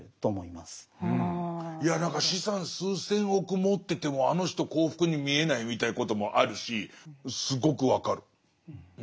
いや何か資産数千億持っててもあの人幸福に見えないみたいなこともあるしすごく分かる。